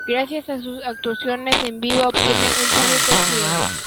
Gracias a sus actuaciones en vivo obtienen un público fiel.